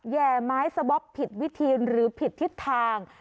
แห่ไม้สะบ๊อบผิดวิธีหรือผิดทิศทาง